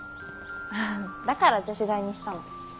だから女子大にしたの。